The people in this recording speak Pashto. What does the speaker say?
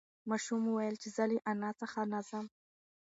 ماشوم وویل چې زه له انا څخه نه ځم.